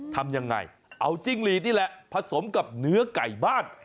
ทำยังไงเอาจิ้งหลีดนี่แหละผสมกับเนื้อไก่บ้าน